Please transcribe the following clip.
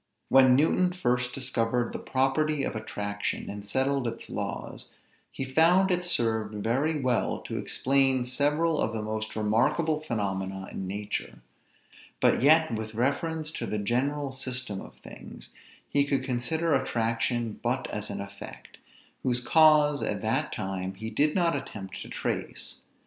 When Newton first discovered the property of attraction, and settled its laws, he found it served very well to explain several of the most remarkable phenomena in nature; but yet, with reference to the general system of things, he could consider attraction but as an effect, whose cause at that time he did not attempt to trace.